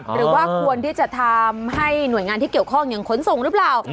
หรือว่าควรที่จะทำให้หน่วยงานที่เกี่ยวข้องอย่างขนส่งหรือเปล่า